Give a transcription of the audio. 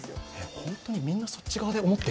本当にみんなそっち側で思ってる？